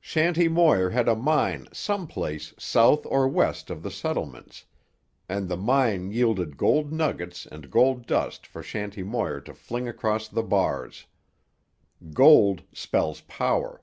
Shanty Moir had a mine some place south or west of the settlements, and the mine yielded gold nuggets and gold dust for Shanty Moir to fling across the bars. Gold spells power.